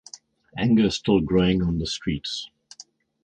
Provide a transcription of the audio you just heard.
Anger is still growing on the streets.